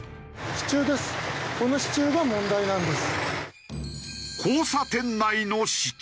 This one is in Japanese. この支柱が問題なんです。